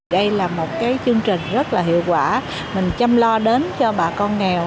đây là một chương trình rất hiệu quả mình chăm lo đến cho bà con nghèo